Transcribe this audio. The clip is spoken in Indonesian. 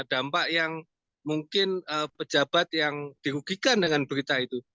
ada dampak yang mungkin pejabat yang dirugikan dengan berita itu